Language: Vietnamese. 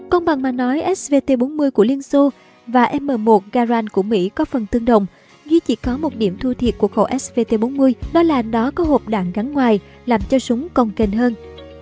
công bằng mà nói svt bốn mươi của liên xô và m một garand của mỹ có phần tương đồng dù chỉ có một điểm thua thiệt của khẩu svt bốn mươi đó là nó có hộp đạn gắn ngoài làm cho súng cong kênh hơn